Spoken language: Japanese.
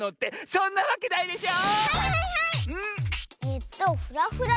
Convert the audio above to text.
そんなわけないでしょ！